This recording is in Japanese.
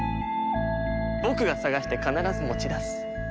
僕が探して必ず持ち出す。